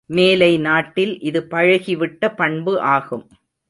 மேலை நாட்டில் இது பழகிவிட்ட பண்பு ஆகும்.